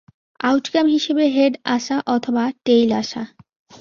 Outcome হিসেবে head আসা অথবা টেইল আসা।